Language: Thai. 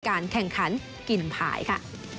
การแข่งขันกินพายค่ะ